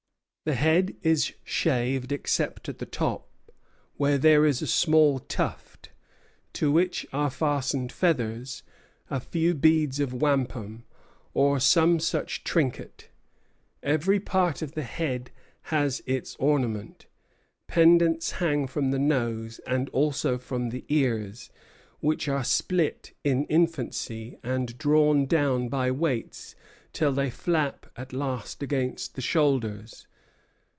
The head is shaved except at the top, where there is a small tuft, to which are fastened feathers, a few beads of wampum, or some such trinket. Every part of the head has its ornament. Pendants hang from the nose and also from the ears, which are split in infancy and drawn down by weights till they flap at last against the shoulders.